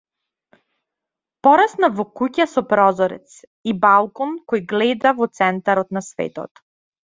Пораснав во куќа со прозорец и балкон кој гледа во центарот на светот.